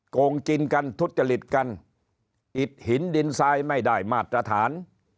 โกงกินกันทุจริตกันอิดหินดินทรายไม่ได้มาตรฐาน